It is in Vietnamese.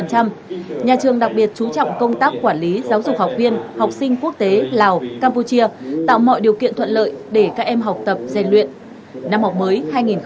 nhà trường đặc biệt chú trọng công tác quản lý giáo dục học viên học sinh quốc tế lào campuchia tạo mọi điều kiện thuận lợi để các em học tập dành luyện